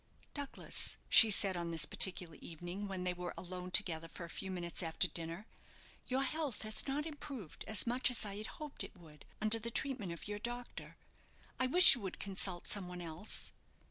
"Douglas," she said, on this particular evening, when they were alone together for a few minutes after dinner, "your health has not improved as much as I had hoped it would under the treatment of your doctor. I wish you would consult some one else."